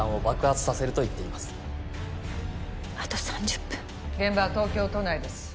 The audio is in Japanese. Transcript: あと３０分現場は東京都内です